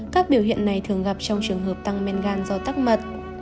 các biểu hiện này thường gặp trong trường hợp tăng men gan do tắc mật